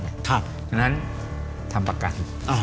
ดังนั้นทำประกัน